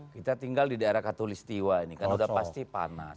kita tinggal di daerah katolik setiwa ini karena sudah pasti panas